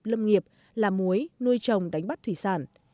lâm nghiệp làm muối nuôi trồng đánh bắt thủy sản